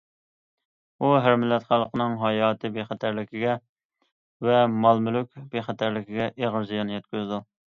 ئۇ ھەر مىللەت خەلقىنىڭ ھاياتىي بىخەتەرلىكىگە ۋە مال- مۈلۈك بىخەتەرلىكىگە ئېغىر زىيان يەتكۈزىدۇ.